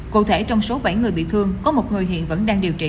cụ thể trong số bảy người bị thương có một người hiện vẫn đang điều trị